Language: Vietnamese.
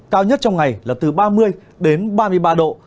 cao nhất trong ngày là từ ba mươi đến ba mươi ba độ